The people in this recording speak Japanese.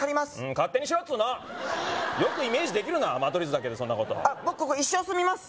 勝手にしろっつうの！よくイメージできるな間取り図だけでそんなこと僕ここ一生住みます